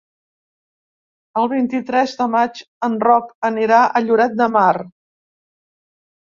El vint-i-tres de maig en Roc anirà a Lloret de Mar.